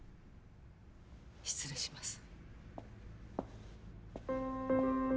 失礼します。